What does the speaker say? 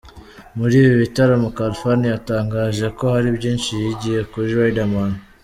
Muri ibi bitaramo, Khalfan yatangaje ko hari byinshi yigiye kuri Riderman.